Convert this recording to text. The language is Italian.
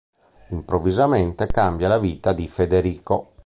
Improvvisamente cambia la vita di Federico.